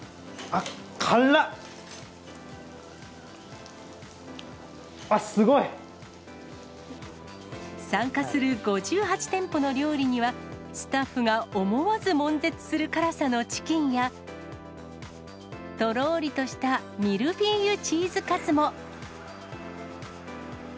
あっ、すごい！参加する５８店舗の料理には、スタッフが思わずもん絶する辛さのチキンや、とろーりとしたミルフィーユチーズカツも。